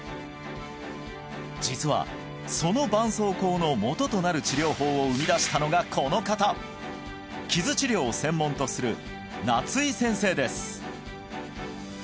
実はその絆創膏の元となる治療法を生み出したのがこの方傷治療を専門とする夏井先生です